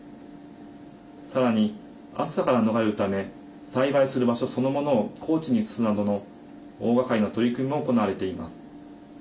さらに暑さから逃れるため栽培する場所そのものを高地に移すなどの大がかりな取り組みも行われています。